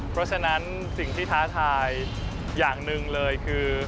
เพราะฉะนั้นสิ่งที่ท้าทายอย่างหนึ่งเลยคือ